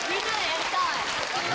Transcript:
やりたい！